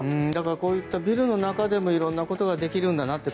こういったビルの中でも色んなことができるんだなって